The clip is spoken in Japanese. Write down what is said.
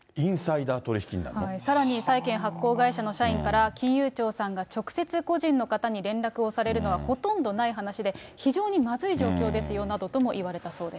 さらに、債券発行会社の社員から、金融庁さんが直接、個人の方に連絡をされるのはほとんどない話で、非常にまずい状況ですよなどともいわれたそうです。